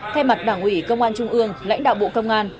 thay mặt đảng ủy công an trung ương lãnh đạo bộ công an